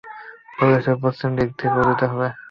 ফলে সে পশ্চিম দিক থেকে উদিত হবে।